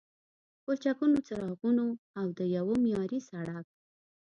پلچکونو، څراغونو او د یوه معیاري سړک